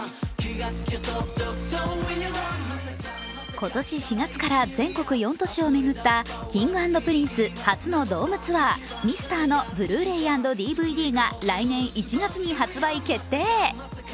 今年４月から全国４都市を巡ったＫｉｎｇ＆Ｐｒｉｎｃｅ初のドームツアー「Ｍｒ．」のブルーレイ＆ＤＶＤが来年１月に発売決定。